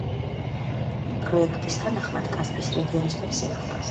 პროექტის თანახმად კასპიის რეგიონის ბუნებრივი აირი მოამარაგებს ევროპას.